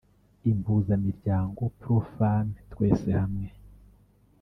Impuzamiryango Pro-Femmes Twese Hamwe